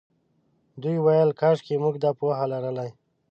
دوی ویل کاشکې موږ دا پوهه لرلای.